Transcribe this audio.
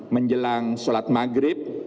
menjelang sholat maghrib